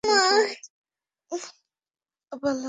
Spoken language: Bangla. পালা কবি গানে অংশ নেন দেশের অন্যতম শিল্পী সাইদুর রহমান বয়াতি।